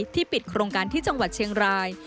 ปิดโครงการที่จังหวัดเชียงราย